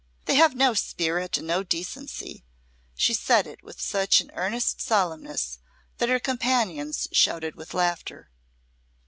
They have no spirit and no decency." She said it with such an earnest solemness that her companions shouted with laughter.